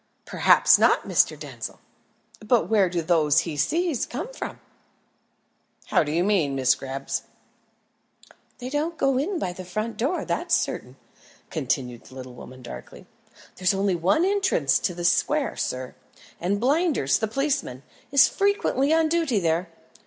"Perhaps not, Mr. Denzil; but where do those he sees come from?" "How do you mean, Miss Greeb?" "They don't go in by the front door, that's certain," continued the little woman darkly. "There's only one entrance to this square, sir, and Blinders, the policeman, is frequently on duty there.